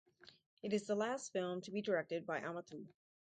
It is the last film to be directed by Amateau.